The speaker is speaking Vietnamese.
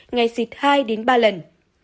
ngày xịt hai ba lần